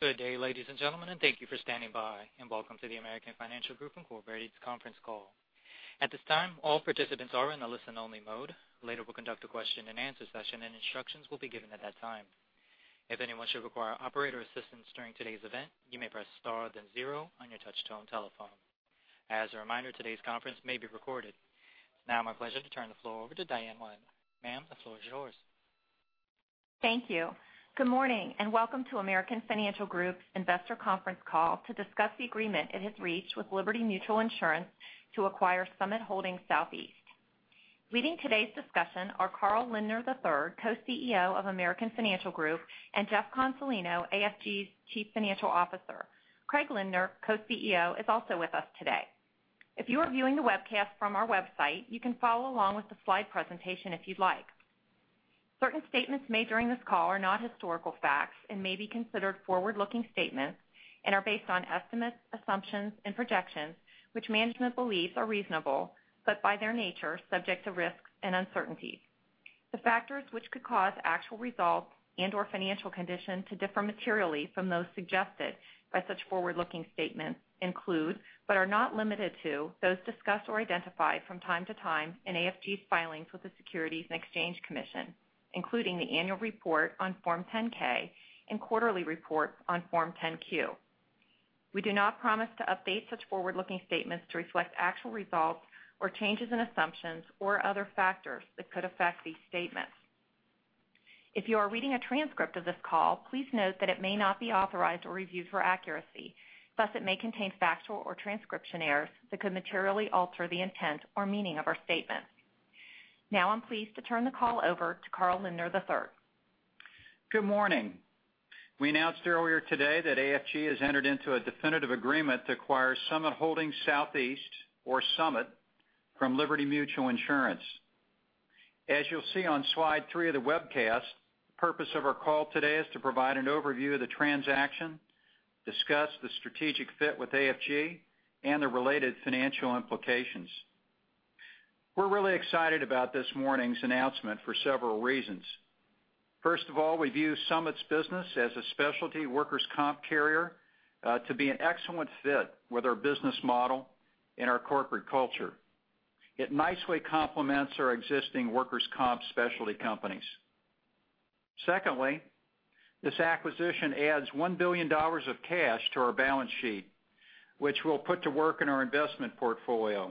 Good day, ladies and gentlemen, and thank you for standing by, and welcome to the American Financial Group, Inc's conference call. At this time, all participants are in a listen-only mode. Later, we'll conduct a question and answer session, and instructions will be given at that time. If anyone should require operator assistance during today's event, you may press star then zero on your touch-tone telephone. As a reminder, today's conference may be recorded. It's now my pleasure to turn the floor over to Diane Weidner. Ma'am, the floor is yours. Thank you. Good morning, and welcome to American Financial Group's investor conference call to discuss the agreement it has reached with Liberty Mutual Insurance to acquire Summit Holding Southeast. Leading today's discussion are Carl Lindner III, Co-CEO of American Financial Group, and Jeff Consolino, AFG's Chief Financial Officer. Craig Lindner, Co-CEO, is also with us today. If you are viewing the webcast from our website, you can follow along with the slide presentation if you'd like. Certain statements made during this call are not historical facts and may be considered forward-looking statements and are based on estimates, assumptions, and projections, which management believes are reasonable, but by their nature, subject to risks and uncertainties. The factors which could cause actual results and/or financial condition to differ materially from those suggested by such forward-looking statements include, but are not limited to, those discussed or identified from time to time in AFG's filings with the Securities and Exchange Commission, including the annual report on Form 10-K and quarterly reports on Form 10-Q. We do not promise to update such forward-looking statements to reflect actual results or changes in assumptions or other factors that could affect these statements. If you are reading a transcript of this call, please note that it may not be authorized or reviewed for accuracy. It may contain factual or transcription errors that could materially alter the intent or meaning of our statement. I'm pleased to turn the call over to Carl Lindner III. Good morning. We announced earlier today that AFG has entered into a definitive agreement to acquire Summit Holding Southeast, or Summit, from Liberty Mutual Insurance. As you'll see on slide three of the webcast, the purpose of our call today is to provide an overview of the transaction, discuss the strategic fit with AFG, and the related financial implications. We're really excited about this morning's announcement for several reasons. First of all, we view Summit's business as a specialty workers' comp carrier, to be an excellent fit with our business model and our corporate culture. It nicely complements our existing workers' comp specialty companies. Secondly, this acquisition adds $1 billion of cash to our balance sheet, which we'll put to work in our investment portfolio.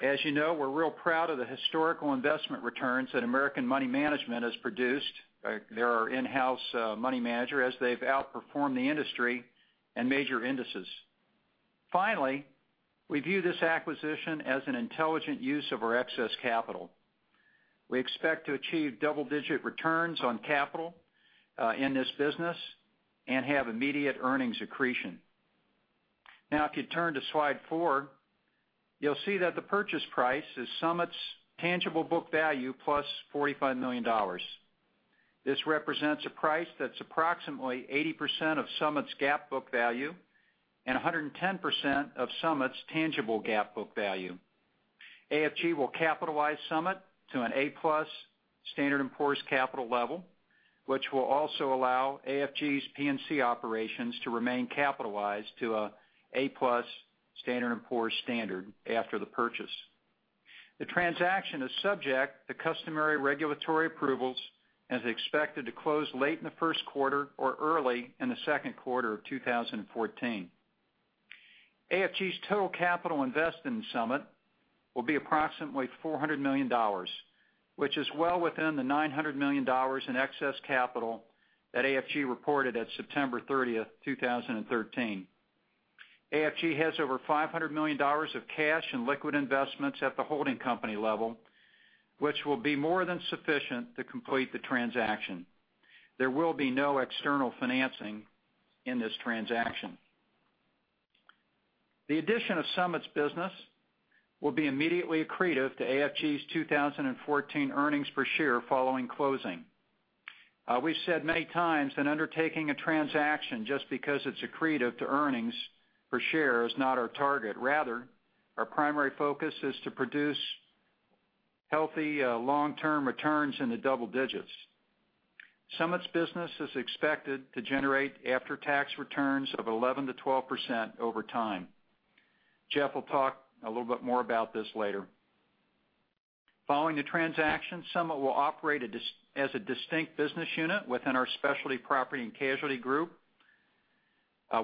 As you know, we're real proud of the historical investment returns that American Money Management has produced. They're our in-house money manager, as they've outperformed the industry and major indices. Finally, we view this acquisition as an intelligent use of our excess capital. We expect to achieve double-digit returns on capital, in this business and have immediate earnings accretion. If you turn to slide four, you'll see that the purchase price is Summit's tangible book value plus $45 million. This represents a price that's approximately 80% of Summit's GAAP book value and 110% of Summit's tangible GAAP book value. AFG will capitalize Summit to an A+ Standard & Poor's capital level, which will also allow AFG's P&C operations to remain capitalized to an A+ Standard & Poor's standard after the purchase. The transaction is subject to customary regulatory approvals and is expected to close late in the first quarter or early in the second quarter of 2014. AFG's total capital invested in Summit will be approximately $400 million, which is well within the $900 million in excess capital that AFG reported at September 30th, 2013. AFG has over $500 million of cash and liquid investments at the holding company level, which will be more than sufficient to complete the transaction. There will be no external financing in this transaction. The addition of Summit's business will be immediately accretive to AFG's 2014 earnings per share following closing. We've said many times that undertaking a transaction just because it's accretive to earnings per share is not our target. Rather, our primary focus is to produce healthy long-term returns in the double digits. Summit's business is expected to generate after-tax returns of 11%-12% over time. Jeff will talk a little bit more about this later. Following the transaction, Summit will operate as a distinct business unit within our specialty property and casualty group.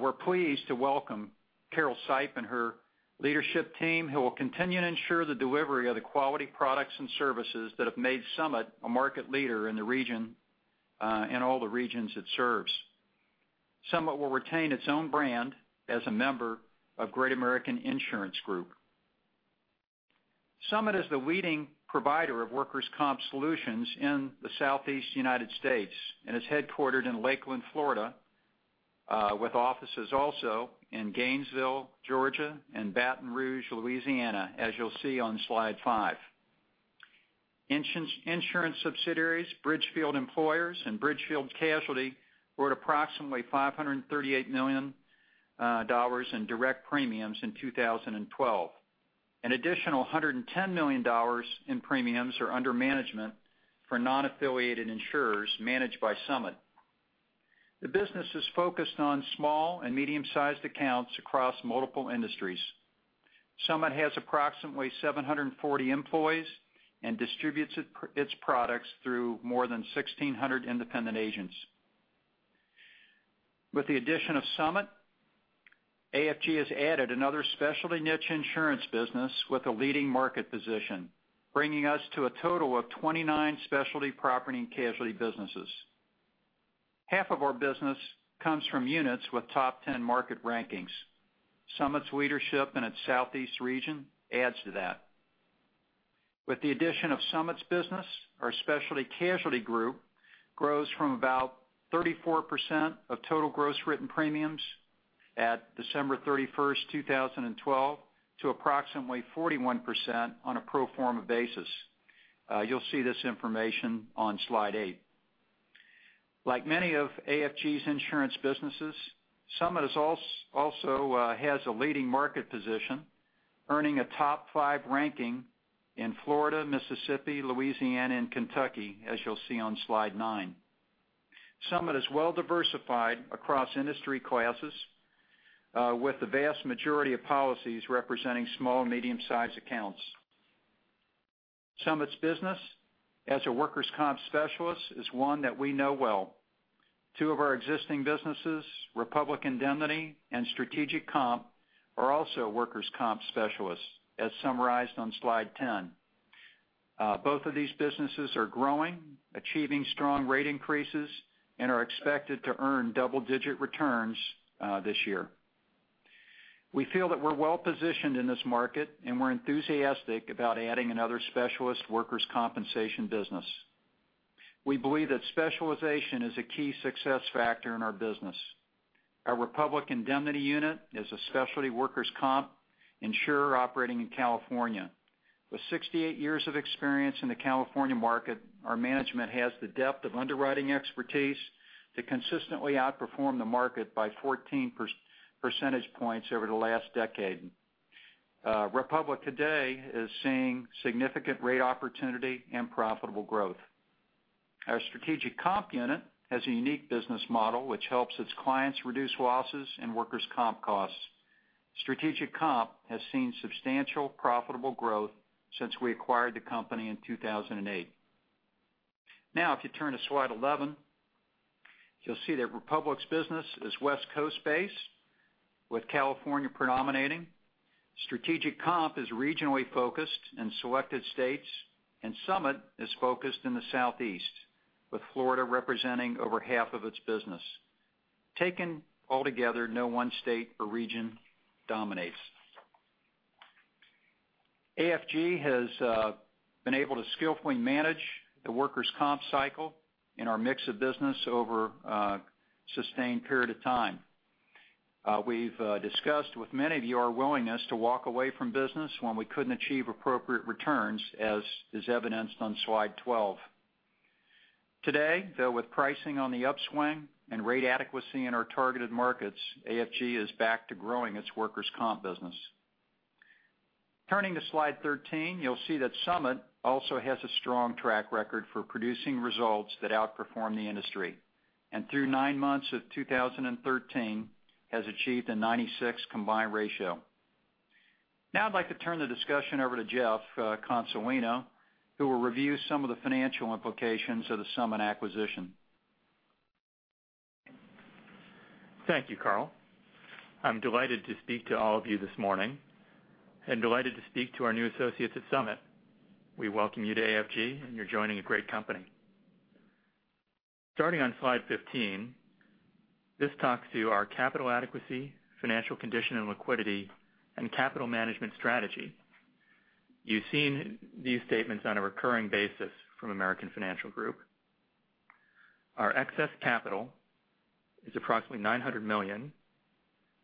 We're pleased to welcome Carol Sipe and her leadership team, who will continue to ensure the delivery of the quality products and services that have made Summit a market leader in all the regions it serves. Summit will retain its own brand as a member of Great American Insurance Group. Summit is the leading provider of workers' comp solutions in the southeast U.S. and is headquartered in Lakeland, Florida, with offices also in Gainesville, Georgia, and Baton Rouge, Louisiana, as you'll see on slide five. Insurance subsidiaries, Bridgefield Employers and Bridgefield Casualty, wrote approximately $538 million in direct premiums in 2012. An additional $110 million in premiums are under management for non-affiliated insurers managed by Summit. The business is focused on small and medium-sized accounts across multiple industries. Summit has approximately 740 employees and distributes its products through more than 1,600 independent agents. With the addition of Summit, AFG has added another specialty niche insurance business with a leading market position, bringing us to a total of 29 specialty property and casualty businesses. Half of our business comes from units with top 10 market rankings. Summit's leadership in its Southeast region adds to that. With the addition of Summit's business, our specialty casualty group grows from about 34% of total gross written premiums at December 31st, 2012, to approximately 41% on a pro forma basis. You'll see this information on slide eight. Like many of AFG's insurance businesses, Summit also has a leading market position, earning a top five ranking in Florida, Mississippi, Louisiana, and Kentucky, as you'll see on slide nine. Summit is well diversified across industry classes, with the vast majority of policies representing small and medium-sized accounts. Summit's business as a workers' comp specialist is one that we know well. Two of our existing businesses, Republic Indemnity and Strategic Comp, are also workers' comp specialists, as summarized on slide 10. Both of these businesses are growing, achieving strong rate increases, and are expected to earn double-digit returns this year. We feel that we're well-positioned in this market, and we're enthusiastic about adding another specialist workers' compensation business. We believe that specialization is a key success factor in our business. Our Republic Indemnity unit is a specialty workers' comp insurer operating in California. With 68 years of experience in the California market, our management has the depth of underwriting expertise to consistently outperform the market by 14 percentage points over the last decade. Republic today is seeing significant rate opportunity and profitable growth. Our Strategic Comp unit has a unique business model, which helps its clients reduce losses and workers' comp costs. Strategic Comp has seen substantial profitable growth since we acquired the company in 2008. If you turn to slide 11, you'll see that Republic's business is West Coast based, with California predominating. Strategic Comp is regionally focused in selected states, Summit is focused in the Southeast, with Florida representing over half of its business. Taken altogether, no one state or region dominates. AFG has been able to skillfully manage the workers' comp cycle in our mix of business over a sustained period of time. We've discussed with many of you our willingness to walk away from business when we couldn't achieve appropriate returns, as is evidenced on slide 12. Today, though, with pricing on the upswing and rate adequacy in our targeted markets, AFG is back to growing its workers' comp business. Turning to slide 13, you'll see that Summit also has a strong track record for producing results that outperform the industry. Through nine months of 2013, has achieved a 96 combined ratio. I'd like to turn the discussion over to Jeff Consolino, who will review some of the financial implications of the Summit acquisition. Thank you, Carl. I'm delighted to speak to all of you this morning, delighted to speak to our new associates at Summit. We welcome you to AFG, you're joining a great company. Starting on slide 15, this talks to our capital adequacy, financial condition, and liquidity and capital management strategy. You've seen these statements on a recurring basis from American Financial Group. Our excess capital is approximately $900 million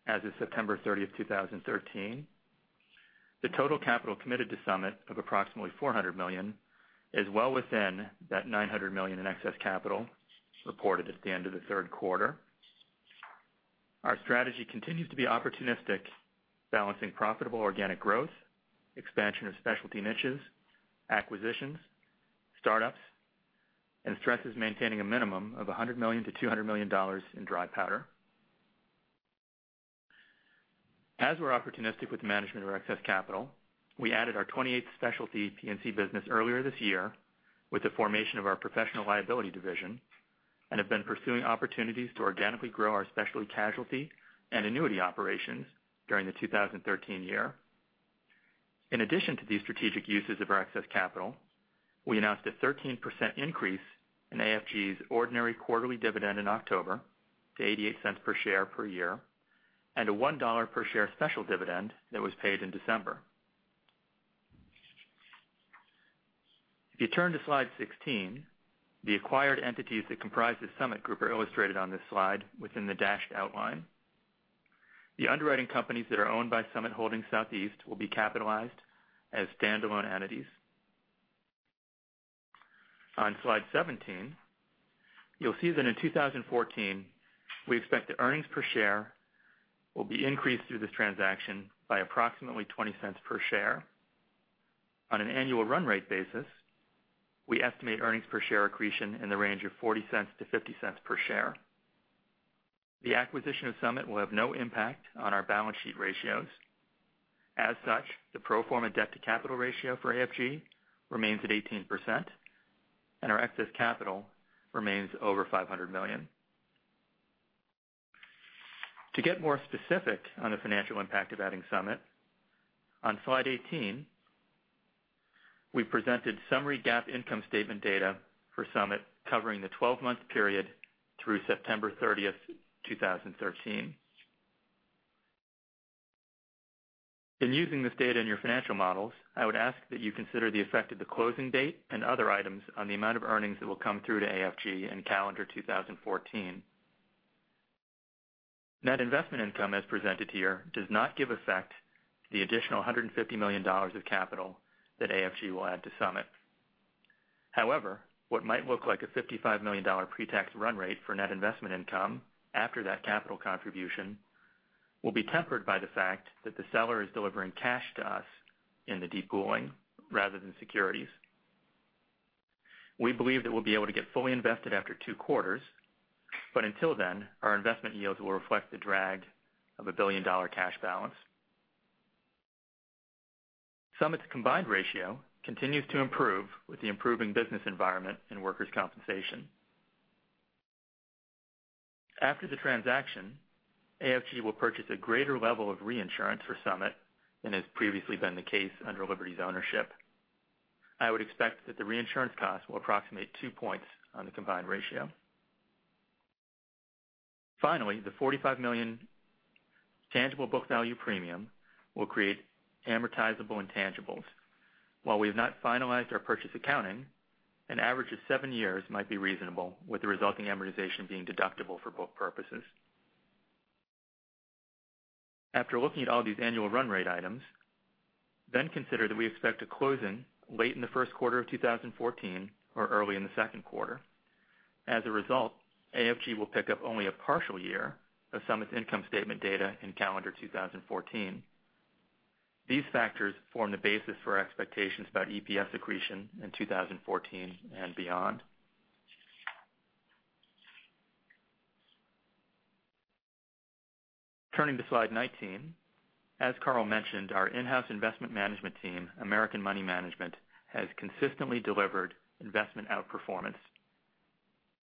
as of September 30th, 2013. The total capital committed to Summit of approximately $400 million is well within that $900 million in excess capital reported at the end of the third quarter. Our strategy continues to be opportunistic, balancing profitable organic growth, expansion of specialty niches, acquisitions, startups, stresses maintaining a minimum of $100 million-$200 million in dry powder. As we're opportunistic with management of our excess capital, we added our 28th specialty P&C business earlier this year with the formation of our Professional Liability division and have been pursuing opportunities to organically grow our specialty casualty and annuity operations during the 2013 year. In addition to these strategic uses of our excess capital, we announced a 13% increase in AFG's ordinary quarterly dividend in October to $0.88 per share per year and a $1 per share special dividend that was paid in December. If you turn to slide 16, the acquired entities that comprise the Summit Group are illustrated on this slide within the dashed outline. The underwriting companies that are owned by Summit Holding Southeast will be capitalized as standalone entities. On slide 17, you'll see that in 2014, we expect the earnings per share will be increased through this transaction by approximately $0.20 per share. On an annual run rate basis, we estimate earnings per share accretion in the range of $0.40 to $0.50 per share. The acquisition of Summit will have no impact on our balance sheet ratios. As such, the pro forma debt to capital ratio for AFG remains at 18%, and our excess capital remains over $500 million. To get more specific on the financial impact of adding Summit, on slide 18, we presented summary GAAP income statement data for Summit covering the 12-month period through September 30, 2013. In using this data in your financial models, I would ask that you consider the effect of the closing date and other items on the amount of earnings that will come through to AFG in calendar 2014. Net investment income as presented here does not give effect to the additional $150 million of capital that AFG will add to Summit. However, what might look like a $55 million pre-tax run rate for net investment income after that capital contribution will be tempered by the fact that the seller is delivering cash to us in the depooling rather than securities. We believe that we'll be able to get fully invested after two quarters, but until then, our investment yields will reflect the drag of a billion-dollar cash balance. Summit's combined ratio continues to improve with the improving business environment in workers' compensation. After the transaction, AFG will purchase a greater level of reinsurance for Summit than has previously been the case under Liberty's ownership. I would expect that the reinsurance cost will approximate two points on the combined ratio. Finally, the $45 million tangible book value premium will create amortizable intangibles. While we've not finalized our purchase accounting, an average of seven years might be reasonable with the resulting amortization being deductible for book purposes. Consider that we expect a closing late in the first quarter of 2014 or early in the second quarter. As a result, AFG will pick up only a partial year of Summit's income statement data in calendar 2014. These factors form the basis for our expectations about EPS accretion in 2014 and beyond. Turning to slide 19. As Carl mentioned, our in-house investment management team, American Money Management, has consistently delivered investment outperformance.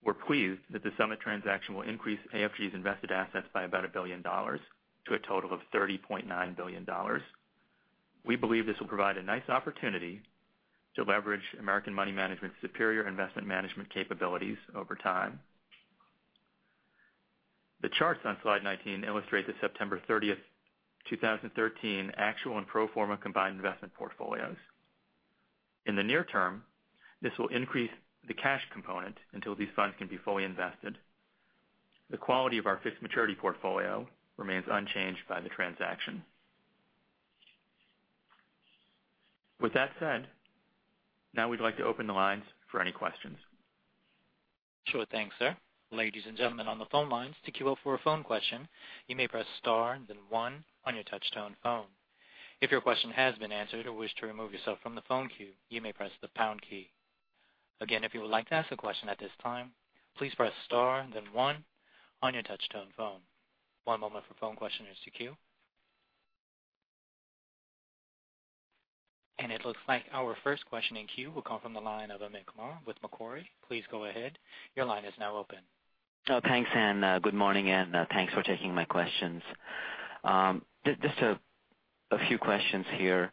We're pleased that the Summit transaction will increase AFG's invested assets by about $1 billion to a total of $30.9 billion. We believe this will provide a nice opportunity to leverage American Money Management's superior investment management capabilities over time. The charts on slide 19 illustrate the September 30th, 2013, actual and pro forma combined investment portfolios. In the near term, this will increase the cash component until these funds can be fully invested. The quality of our fixed maturity portfolio remains unchanged by the transaction. With that said, now we'd like to open the lines for any questions. Sure thing, sir. Ladies and gentlemen on the phone lines, to queue up for a phone question, you may press star then one on your touchtone phone. If your question has been answered or wish to remove yourself from the phone queue, you may press the pound key. Again, if you would like to ask a question at this time, please press star then one on your touchtone phone. One moment for phone questioners to queue. It looks like our first question in queue will come from the line of Amit Kumar with Macquarie. Please go ahead. Your line is now open. Thanks, and good morning, and thanks for taking my questions. Just a few questions here.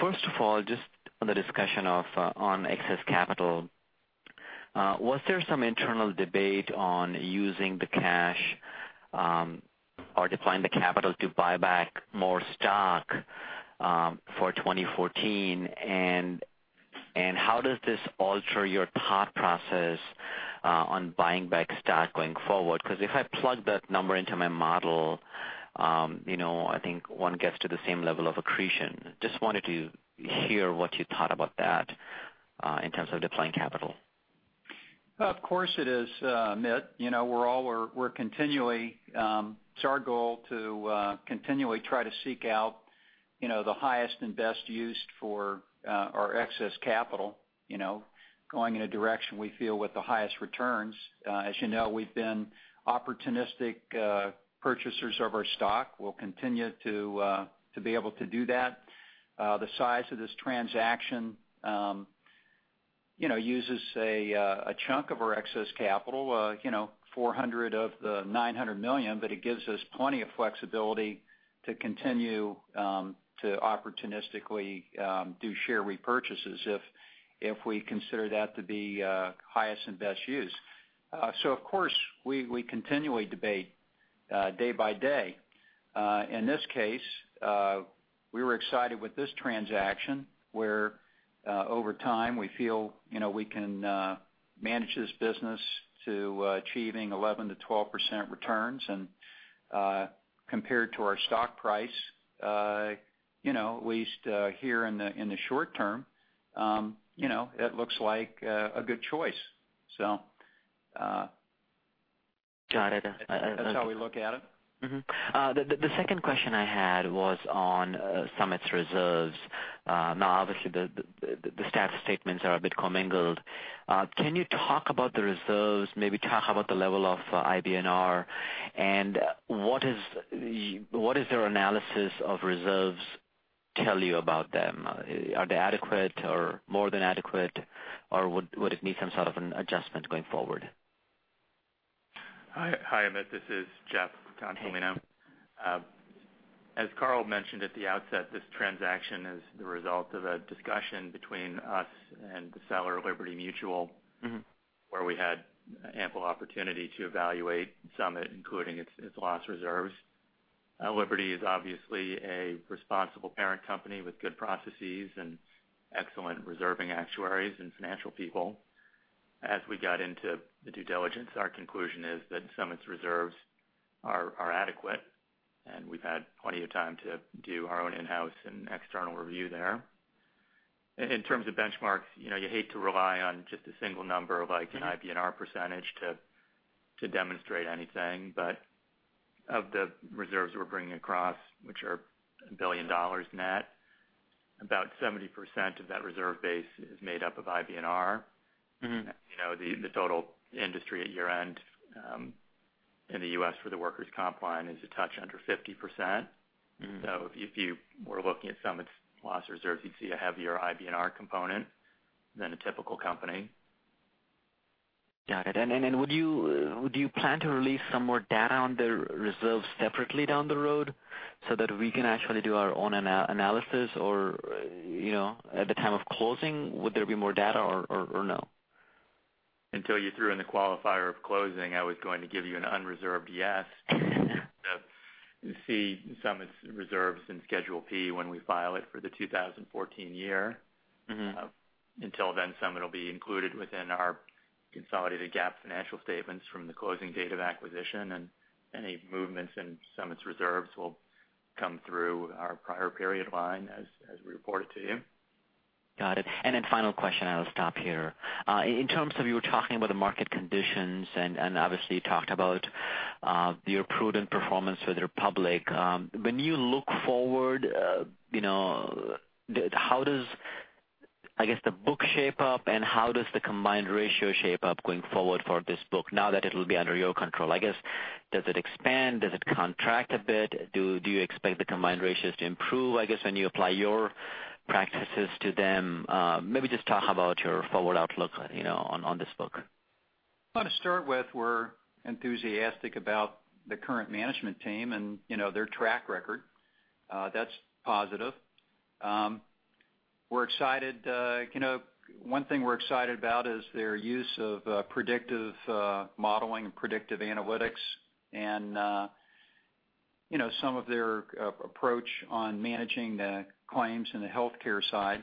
First of all, just on the discussion of on excess capital. Was there some internal debate on using the cash or deploying the capital to buy back more stock for 2014? How does this alter your thought process on buying back stock going forward? If I plug that number into my model, I think one gets to the same level of accretion. Just wanted to hear what you thought about that in terms of deploying capital. Of course it is, Amit. It's our goal to continually try to seek out the highest and best use for our excess capital, going in a direction we feel with the highest returns. As you know, we've been opportunistic purchasers of our stock. We'll continue to be able to do that. The size of this transaction uses a chunk of our excess capital, $400 million of the $900 million. It gives us plenty of flexibility to continue to opportunistically do share repurchases if we consider that to be highest and best use. Of course, we continually debate day by day. In this case, we were excited with this transaction where over time we feel we can manage this business to achieving 11%-12% returns. Compared to our stock price, at least here in the short term, it looks like a good choice. Got it that's how we look at it. The second question I had was on Summit's reserves. Obviously, the status statements are a bit commingled. Can you talk about the reserves, maybe talk about the level of IBNR, and what does their analysis of reserves tell you about them? Are they adequate or more than adequate, or would it need some sort of an adjustment going forward? Hi, Amit. This is Jeff Consolino. Hey. As Carl mentioned at the outset, this transaction is the result of a discussion between us and the seller, Liberty Mutual. where we had ample opportunity to evaluate Summit, including its loss reserves. Liberty is obviously a responsible parent company with good processes and excellent reserving actuaries and financial people. As we got into the due diligence, our conclusion is that Summit's reserves are adequate, and we've had plenty of time to do our own in-house and external review there. Of the reserves we're bringing across, which are $1 billion net, about 70% of that reserve base is made up of IBNR. The total industry at year-end in the U.S. for the workers' comp line is a touch under 50%. If you were looking at Summit's loss reserves, you'd see a heavier IBNR component than a typical company. Got it. Would you plan to release some more data on the reserves separately down the road so that we can actually do our own analysis? Or at the time of closing, would there be more data, or no? Until you threw in the qualifier of closing, I was going to give you an unreserved yes. You'll see Summit's reserves in Schedule P when we file it for the 2014 year. Until then, Summit will be included within our consolidated GAAP financial statements from the closing date of acquisition, and any movements in Summit's reserves will come through our prior period line as we report it to you. Got it. Then final question, I will stop here. In terms of, you were talking about the market conditions, and obviously, you talked about your prudent performance with Republic. When you look forward, how does the book shape up, and how does the combined ratio shape up going forward for this book now that it'll be under your control? I guess, does it expand? Does it contract a bit? Do you expect the combined ratios to improve, I guess, when you apply your practices to them? Maybe just talk about your forward outlook on this book. Well, to start with, we're enthusiastic about the current management team and their track record. That's positive. One thing we're excited about is their use of predictive modeling and predictive analytics and some of their approach on managing the claims in the healthcare side.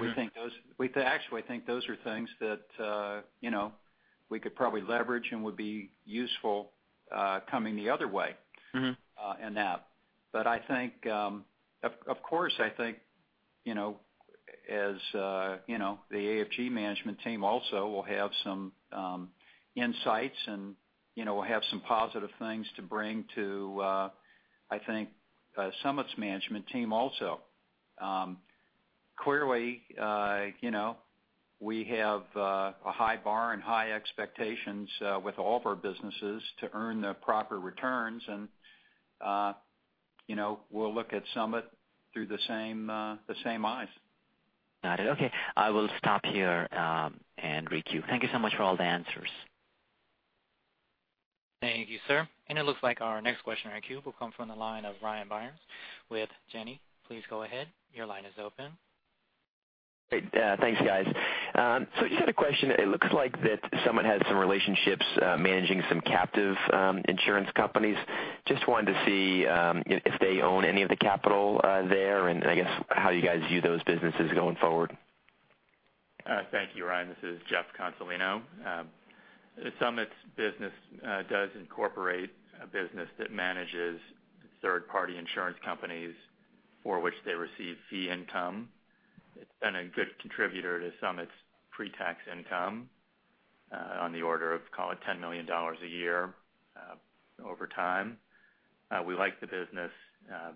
We actually think those are things that we could probably leverage and would be useful coming the other way. In that. Of course, I think as the AFG management team also will have some insights and will have some positive things to bring to, I think, Summit's management team also. Clearly, we have a high bar and high expectations with all of our businesses to earn the proper returns, and we'll look at Summit through the same eyes. Got it. Okay. I will stop here and requeue. Thank you so much for all the answers. Thank you, sir. It looks like our next question in our queue will come from the line of Ryan Byrnes with Janney. Please go ahead. Your line is open. Great. Thanks, guys. Just had a question. It looks like that Summit has some relationships managing some captive insurance companies. Just wanted to see if they own any of the capital there, and I guess how you guys view those businesses going forward. Thank you, Ryan. This is Jeff Consolino. Summit's business does incorporate a business that manages third-party insurance companies for which they receive fee income. It's been a good contributor to Summit's pre-tax income on the order of, call it, $10 million a year over time. We like the business. Of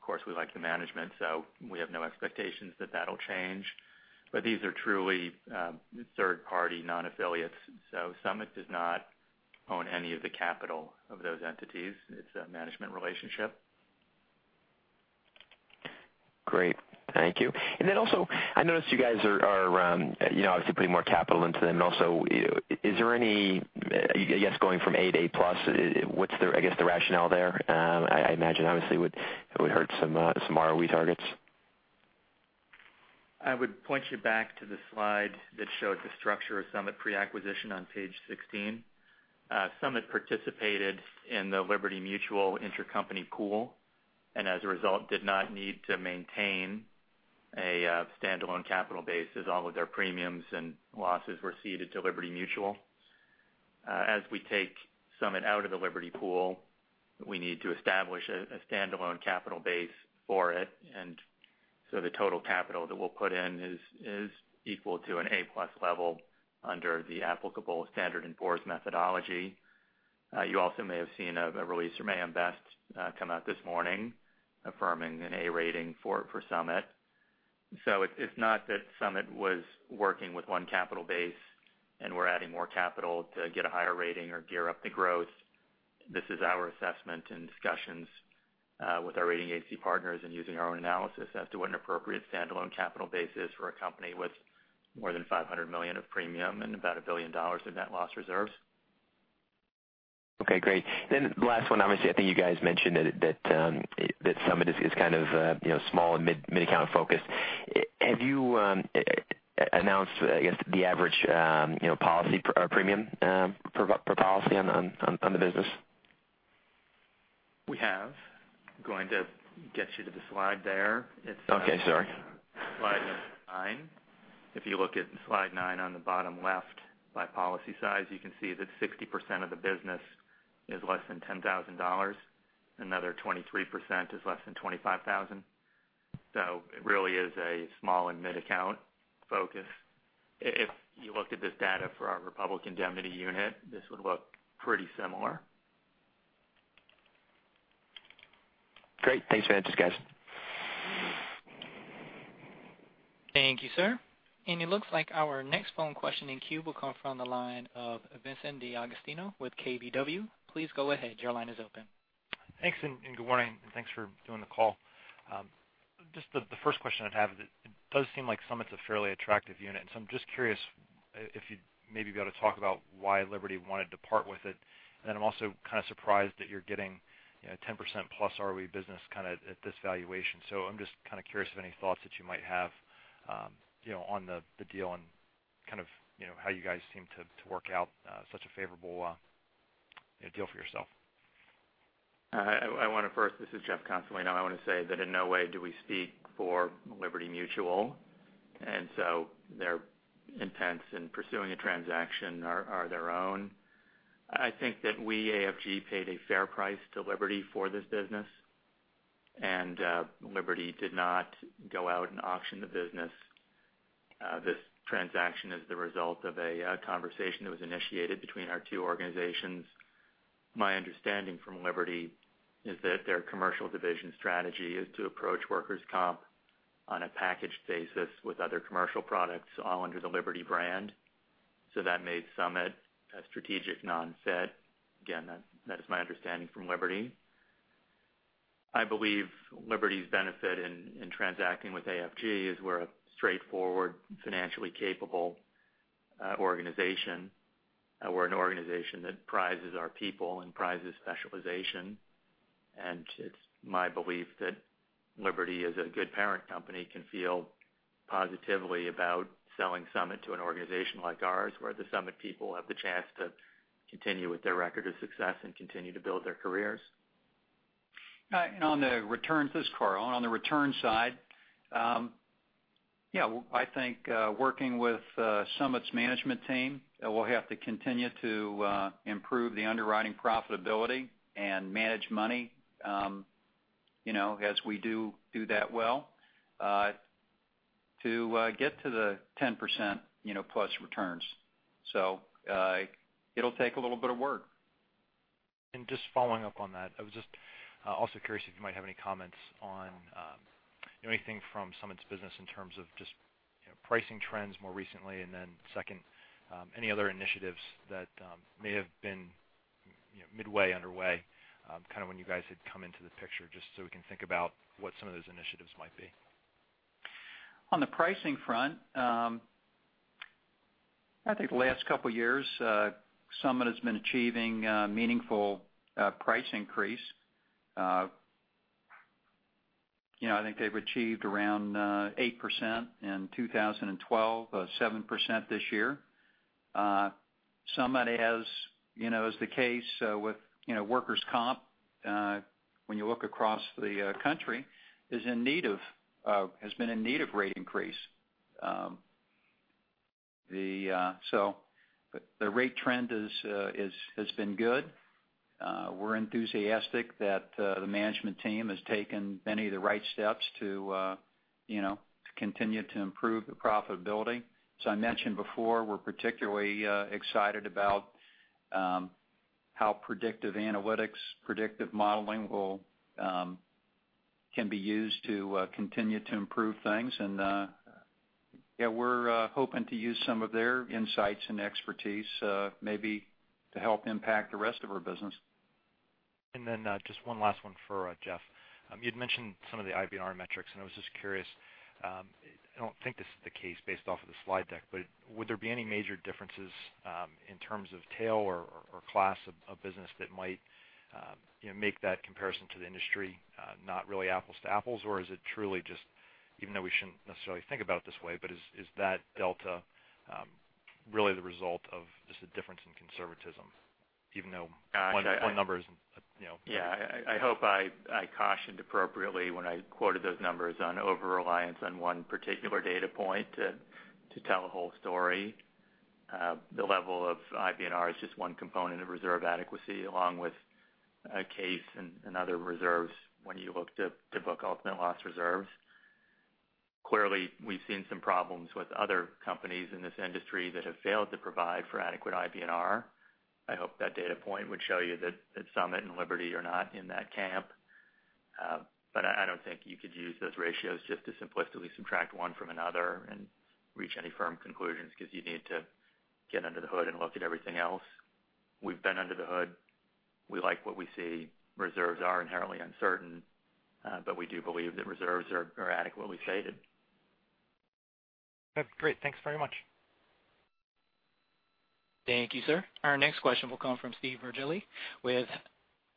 course, we like the management, we have no expectations that that'll change. These are truly third party, non-affiliates. Summit does not own any of the capital of those entities. It's a management relationship. Great. Thank you. I noticed you guys are obviously putting more capital into them. Also, I guess, going from A to A-plus, what's, I guess, the rationale there? I imagine obviously it would hurt some ROE targets. I would point you back to the slide that showed the structure of Summit pre-acquisition on page 16. Summit participated in the Liberty Mutual intercompany pool, as a result, did not need to maintain a standalone capital base as all of their premiums and losses were ceded to Liberty Mutual. As we take Summit out of the Liberty pool, we need to establish a standalone capital base for it, the total capital that we'll put in is equal to an A-plus level under the applicable Standard & Poor's methodology. You also may have seen a release from AM Best come out this morning, affirming an A rating for Summit. It's not that Summit was working with one capital base and we're adding more capital to get a higher rating or gear up the growth. This is our assessment discussions with our rating agency partners and using our own analysis as to what an appropriate standalone capital base is for a company with more than $500 million of premium and about $1 billion in net loss reserves. Okay, great. The last one, obviously, I think you guys mentioned that Summit is kind of small and mid account focused. Have you announced, I guess, the average premium per policy on the business? We have. Going to get you to the slide there. Okay, sorry. Slide nine. If you look at slide nine on the bottom left, by policy size, you can see that 60% of the business is less than $10,000. Another 23% is less than $25,000. It really is a small and mid account focus. If you looked at this data for our Republic Indemnity unit, this would look pretty similar. Great. Thanks for the answers, guys. Thank you, sir. It looks like our next phone question in queue will come from the line of Vincent DeAugustino with KBW. Please go ahead. Your line is open. Thanks, good morning, and thanks for doing the call. Just the first question I'd have is it does seem like Summit's a fairly attractive unit. I'm just curious if you'd maybe be able to talk about why Liberty wanted to part with it. I'm also kind of surprised that you're getting 10% plus ROE business kind of at this valuation. I'm just kind of curious of any thoughts that you might have on the deal and kind of how you guys seem to work out such a favorable deal for yourself. I want to first, this is Jeff Consolino, I want to say that in no way do we speak for Liberty Mutual. Their intents in pursuing a transaction are their own. I think that we, AFG, paid a fair price to Liberty for this business. Liberty did not go out and auction the business. This transaction is the result of a conversation that was initiated between our two organizations. My understanding from Liberty is that their commercial division strategy is to approach workers' comp on a packaged basis with other commercial products, all under the Liberty brand. That made Summit a strategic non-fit. Again, that is my understanding from Liberty. I believe Liberty's benefit in transacting with AFG is we're a straightforward, financially capable organization. We're an organization that prizes our people and prizes specialization. It's my belief that Liberty, as a good parent company, can feel positively about selling Summit to an organization like ours, where the Summit people have the chance to continue with their record of success and continue to build their careers. On the returns, this is Carl. On the return side, I think working with Summit's management team, we'll have to continue to improve the underwriting profitability and manage money, as we do that well, to get to the 10%-plus returns. It'll take a little bit of work. Just following up on that, I was just also curious if you might have any comments on anything from Summit's business in terms of just pricing trends more recently. Second, any other initiatives that may have been midway underway, kind of when you guys had come into the picture, just so we can think about what some of those initiatives might be. On the pricing front, I think the last couple of years, Summit has been achieving a meaningful price increase. I think they've achieved around 8% in 2012, 7% this year. Summit has, as the case with workers' comp, when you look across the country, has been in need of rate increase. The rate trend has been good. We're enthusiastic that the management team has taken many of the right steps to continue to improve the profitability. As I mentioned before, we're particularly excited about how predictive analytics, predictive modeling can be used to continue to improve things. We're hoping to use some of their insights and expertise maybe to help impact the rest of our business. Just one last one for Jeff. You'd mentioned some of the IBNR metrics, and I was just curious. I don't think this is the case based off of the slide deck, but would there be any major differences in terms of tail or class of business that might make that comparison to the industry not really apples to apples? Is it truly just, even though we shouldn't necessarily think about it this way, but is that delta really the result of just a difference in conservatism? Even though one number is Yeah. I hope I cautioned appropriately when I quoted those numbers on over-reliance on one particular data point to tell a whole story. The level of IBNR is just one component of reserve adequacy, along with a case and other reserves when you look to book ultimate loss reserves. Clearly, we've seen some problems with other companies in this industry that have failed to provide for adequate IBNR. I hope that data point would show you that Summit and Liberty are not in that camp. I don't think you could use those ratios just to simplistically subtract one from another and reach any firm conclusions, because you'd need to get under the hood and look at everything else. We've been under the hood. We like what we see. Reserves are inherently uncertain, but we do believe that reserves are adequately shaded. That's great. Thanks very much. Thank you, sir. Our next question will come from Steve Virgili with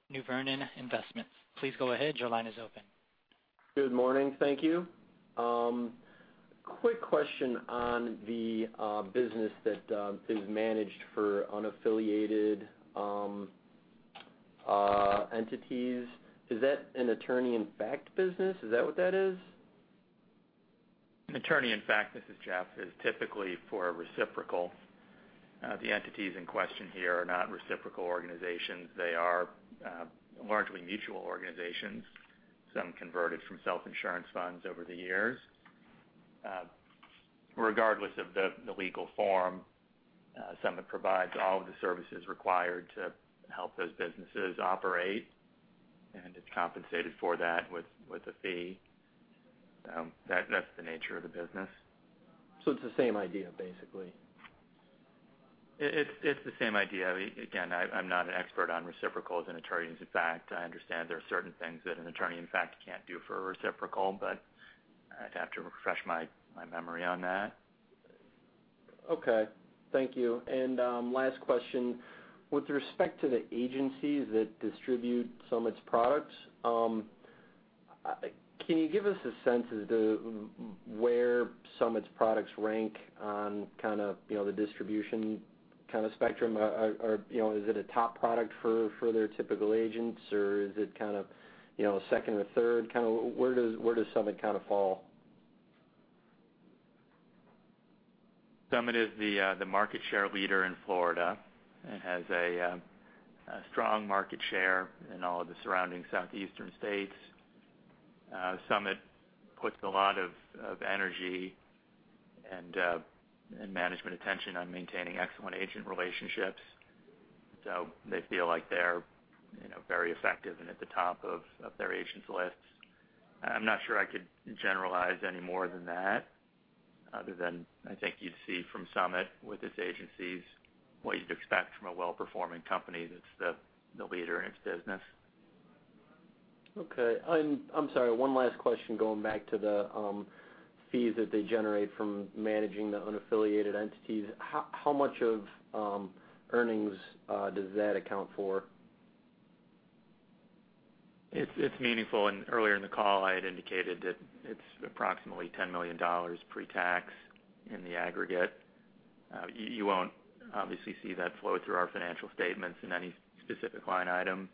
New Vernon Wealth Management. Please go ahead. Your line is open. Good morning. Thank you. Quick question on the business that is managed for unaffiliated entities. Is that an attorney-in-fact business? Is that what that is? Attorney-in-fact, this is Jeff, is typically for a reciprocal. The entities in question here are not reciprocal organizations. They are largely mutual organizations, some converted from self-insurance funds over the years. Regardless of the legal form, Summit provides all of the services required to help those businesses operate, and is compensated for that with a fee. That's the nature of the business. It's the same idea, basically. It's the same idea. Again, I'm not an expert on reciprocals and attorneys-in-fact. I understand there are certain things that an attorney-in-fact can't do for a reciprocal, but I'd have to refresh my memory on that. Okay. Thank you. Last question. With respect to the agencies that distribute Summit's products, can you give us a sense as to where Summit's products rank on the distribution kind of spectrum? Is it a top product for their typical agents, or is it kind of second or third? Where does Summit kind of fall? Summit is the market share leader in Florida and has a strong market share in all of the surrounding southeastern states. Summit puts a lot of energy and management attention on maintaining excellent agent relationships, they feel like they're very effective and at the top of their agents' lists. I'm not sure I could generalize any more than that, other than I think you'd see from Summit with its agencies what you'd expect from a well-performing company that's the leader in its business. Okay. I'm sorry, one last question, going back to the fees that they generate from managing the unaffiliated entities. How much of earnings does that account for? It's meaningful, earlier in the call, I had indicated that it's approximately $10 million pre-tax in the aggregate. You won't obviously see that flow through our financial statements in any specific line item.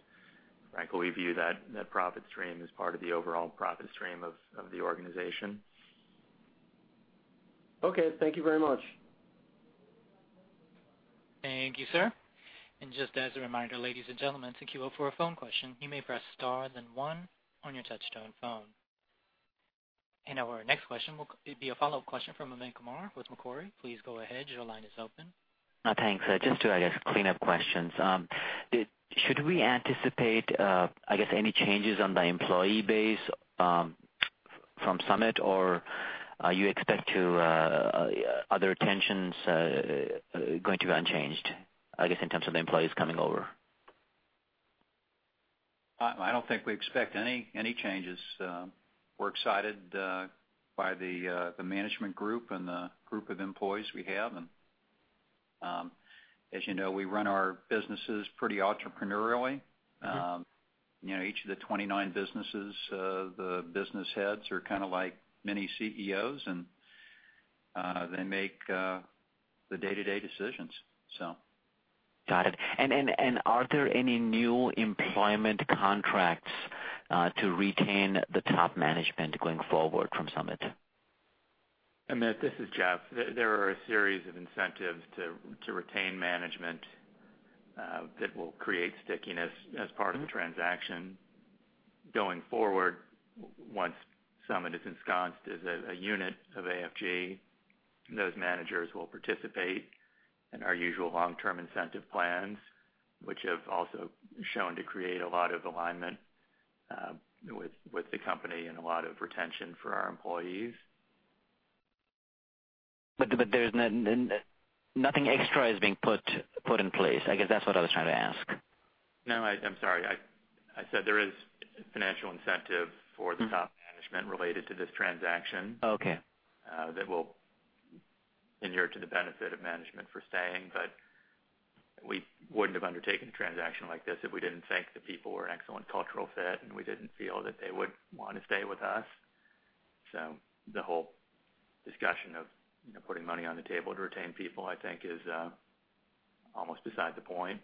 Frankly, we view that profit stream as part of the overall profit stream of the organization. Okay. Thank you very much. Thank you, sir. Just as a reminder, ladies and gentlemen, to queue up for a phone question, you may press star then one on your touch-tone phone. Our next question will be a follow-up question from Amit Kumar with Macquarie. Please go ahead. Your line is open. Thanks. Just two, I guess, cleanup questions. Should we anticipate, I guess, any changes on the employee base from Summit, or are the retentions going to be unchanged, I guess, in terms of the employees coming over? I don't think we expect any changes. We're excited by the management group and the group of employees we have. As you know, we run our businesses pretty entrepreneurially. Each of the 29 businesses, the business heads are kind of like mini CEOs, they make the day-to-day decisions, so. Got it. Are there any new employment contracts to retain the top management going forward from Summit? Amit, this is Jeff. There are a series of incentives to retain management that will create stickiness as part of the transaction. Going forward, once Summit is ensconced as a unit of AFG, those managers will participate in our usual long-term incentive plans, which have also shown to create a lot of alignment with the company and a lot of retention for our employees. There's nothing extra is being put in place. I guess that's what I was trying to ask. No, I'm sorry. I said there is financial incentive for the top management related to this transaction. Okay That will inure to the benefit of management for staying. We wouldn't have undertaken a transaction like this if we didn't think the people were an excellent cultural fit, and we didn't feel that they would want to stay with us. The whole discussion of putting money on the table to retain people, I think, is almost beside the point.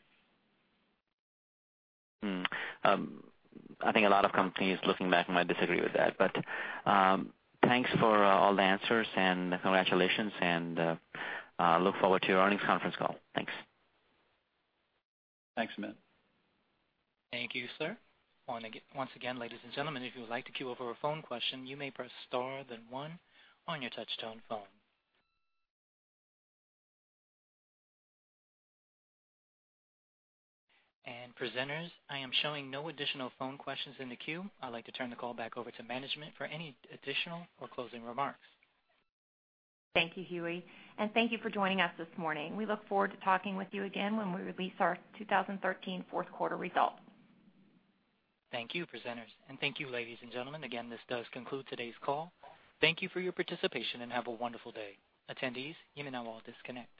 Hmm. I think a lot of companies looking back might disagree with that. Thanks for all the answers and congratulations and look forward to your earnings conference call. Thanks. Thanks, Amit. Thank you, sir. Once again, ladies and gentlemen, if you would like to queue up for a phone question, you may press star then one on your touch-tone phone. Presenters, I am showing no additional phone questions in the queue. I'd like to turn the call back over to management for any additional or closing remarks. Thank you, Hughie. Thank you for joining us this morning. We look forward to talking with you again when we release our 2013 fourth quarter results. Thank you, presenters, and thank you, ladies and gentlemen. Again, this does conclude today's call. Thank you for your participation, and have a wonderful day. Attendees, you may now all disconnect.